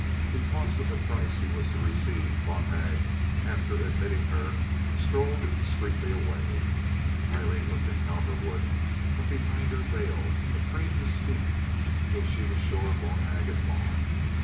Because of the price he was to receive, Bonhag, after admitting her, strolled discreetly away. Aileen looked at Cowperwood from behind her veil, afraid to speak until she was sure Bonhag had gone.